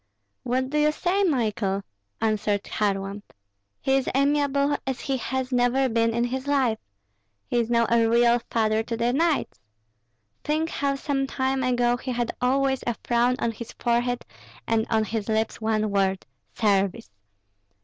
"What do you say, Michael?" answered Kharlamp. "He is amiable as he has never been in his life. He is now a real father to the knights. Think how some time ago he had always a frown on his forehead, and on his lips one word, 'Service.'